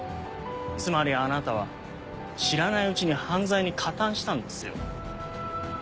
つまりあなたは知らないうちに犯罪に加担したんですよ。